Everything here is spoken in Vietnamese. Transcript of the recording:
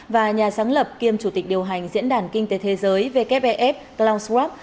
và nhà sáng lập kiêm chủ tịch điều hành diễn đàn kinh tế thế giới wff klaus rapp